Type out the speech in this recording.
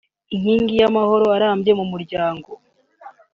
inkingi y’amahoro arambye mu muryango